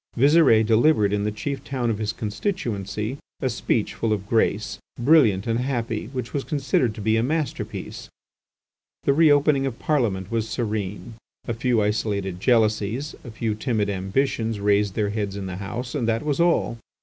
Visire delivered in the chief town of his constituency a speech full of grace, brilliant and happy, which was considered to be a masterpiece. The re opening of Parliament was serene. A few isolated jealousies, a few timid ambitions raised their heads in the House, and that was all.